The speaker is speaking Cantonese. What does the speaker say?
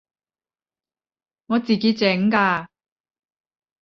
我自己整㗎